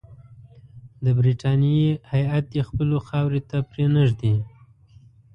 د برټانیې هیات دي خپلو خاورې ته پرې نه ږدي.